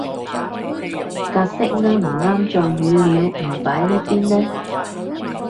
格式唔啱做語料唔擺呢邊嘞